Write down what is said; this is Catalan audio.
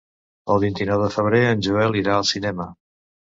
El vint-i-nou de febrer en Joel irà al cinema.